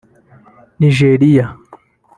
Nigeriya